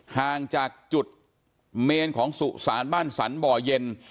ห่างจากจุดเมนของสุสานบ้านสรรบ่อเย็น